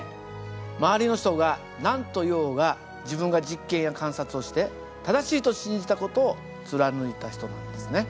周りの人が何と言おうが自分が実験や観察をして正しいと信じた事を貫いた人なんですね。